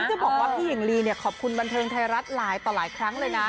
จะบอกว่าพี่หญิงลีเนี่ยขอบคุณบันเทิงไทยรัฐหลายต่อหลายครั้งเลยนะ